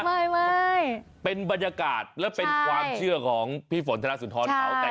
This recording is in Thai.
ไม่ไม่เป็นบรรยากาศและเป็นความเชื่อของพี่ฝนธนสุนทรเขา